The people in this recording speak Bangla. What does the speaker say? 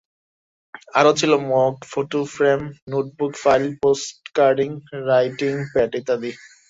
আরও ছিল mug, photo frame, notebook, file, postcard, writing pad ইত্যাদি।